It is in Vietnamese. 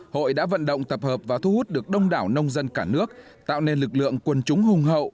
hội đã vận động tập hợp và thu hút được đông đảo nông dân cả nước tạo nên lực lượng quân chúng hùng hậu